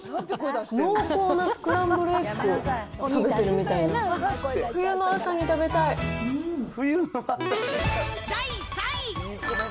濃厚なスクランブルエッグを食べてるみたいな、冬の朝に食べたい第３位。